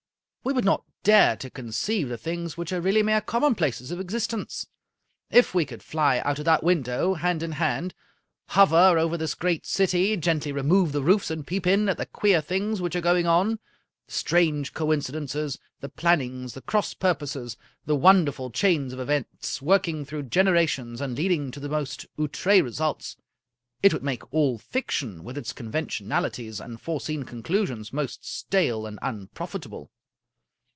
We would not dare to conceive the things which are really mere commonplaces of existence. If we could fly out of that window hand in hand, hover over this great city, gently remove the roofs, and peep in at the queer things which are going on, the strange coin cidences, the plannings, the cross purposes, the wonderful chains of events, working through generations, and leading to the most outre results, it would make all fiction, with its conventionalities and foreseen conclusions, most stale and unprofitable."